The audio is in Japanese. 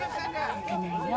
泣かないよ。